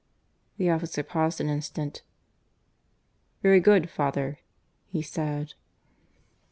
The officer paused an instant. "Very good, father," he said.